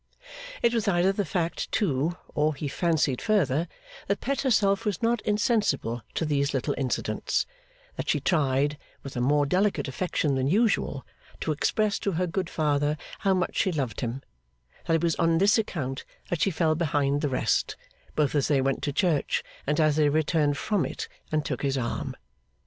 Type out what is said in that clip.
It was either the fact too, or he fancied further, that Pet herself was not insensible to these little incidents; that she tried, with a more delicate affection than usual, to express to her good father how much she loved him; that it was on this account that she fell behind the rest, both as they went to church and as they returned from it, and took his arm.